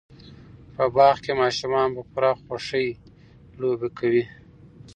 په باغ کې ماشومان په پوره خوشحۍ لوبې کوي.